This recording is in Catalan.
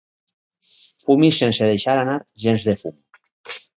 Fumis sense deixar anar gens de fum.